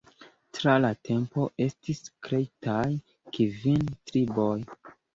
Tra la tempo estis kreitaj kvin triboj.